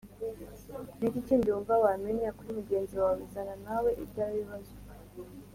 Ni iki kindi wumva wamenya kuri mugenzi wawe Zana nawe ibyawe bibazo